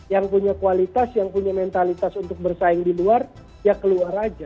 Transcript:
yang punya kualitas yang punya mentalitas untuk bersaing di luar ya keluar aja